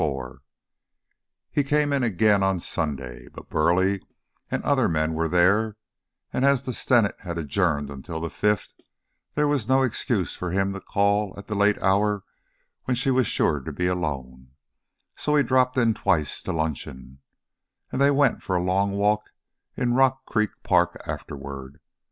IV He came in again on Sunday, but Burleigh and other men were there; and as the Senate had adjourned until the fifth, there was no excuse for him to call at the late hour when she was sure to be alone; so he dropped in twice to luncheon, and they went for a long walk in Rock Creek Park afterward.